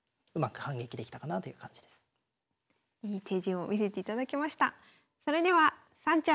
いい手順を見せていただきました。